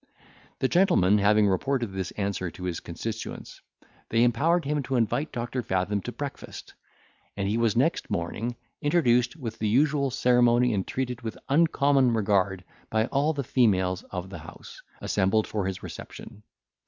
The gentleman having reported this answer to his constituents, they empowered him to invite Doctor Fathom to breakfast, and he was next morning introduced with the usual ceremony, and treated with uncommon regard by all the females of the house, assembled for his reception.